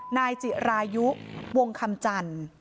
นายจิรายุวงคำจันทร์